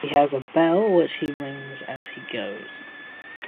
He has a bell which he rings as he goes.